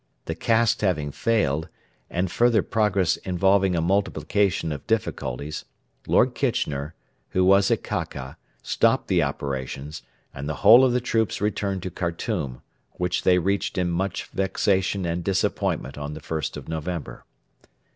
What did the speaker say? The cast having failed, and further progress involving a multiplication of difficulties, Lord Kitchener, who was at Kaka, stopped the operations, and the whole of the troops returned to Khartoum, which they reached in much vexation and disappointment on the 1st of November.